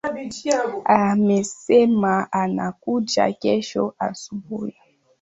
Amesema anakuja kesho asubuhi.